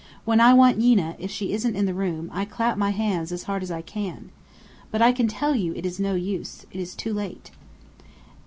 "When I want Yeena, if she isn't in the room, I clap my hands as hard as I can. But I tell you, it is no use. It is too late."